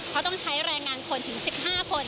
เขาต้องใช้แรงงานคนถึง๑๕คน